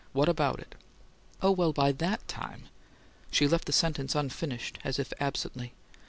What about it?" "Oh, well, by THAT time " She left the sentence unfinished, as if absently.